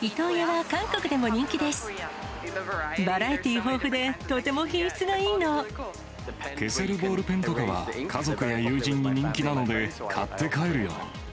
バラエティー豊富で、とても消せるボールペンとかは、家族や友人に人気なので、買って帰るよ。